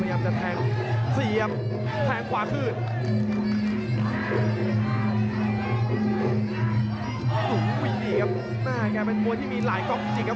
พาท่านผู้ชมกลับติดตามความมันกันต่อครับ